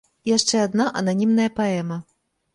Яшчэ адна ананімная паэма.